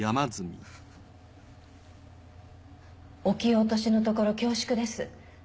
お気を落としのところ恐縮です。